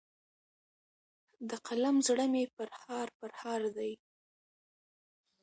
د قلم زړه مي پرهار پرهار دی